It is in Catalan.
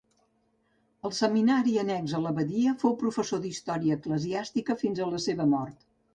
Al seminari annex a l'abadia fou professor d'història eclesiàstica fins a la seva mort.